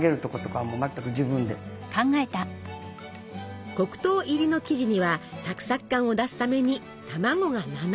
黒糖入りの生地にはサクサク感を出すために卵が７個！